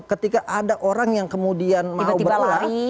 ketika ada orang yang kemudian mau belah